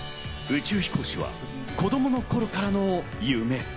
宇宙飛行士は子供の頃からの夢。